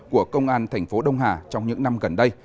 của công an tp đông hà trong những năm gần đây